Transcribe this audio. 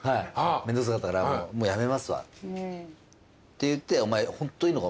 めんどくさかったからもうやめますわって言ってお前。